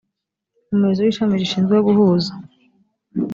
umuyobozi w ishami rishinzwe guhuza